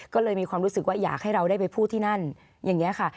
ก็เลยมีความรู้สึกว่าอยากให้เราได้ไปพูดที่นั่นอย่างนี้ค่ะ